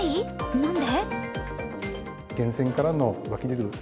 なんで？